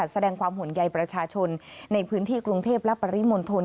แสดงความห่วงใยประชาชนในพื้นที่กรุงเทพและปริมณฑล